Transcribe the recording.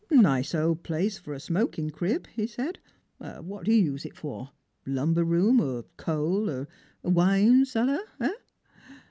"Nice old place for a smoking crib," he said: "what do you use it for? lumber room, or coal or wine cellar — eh?"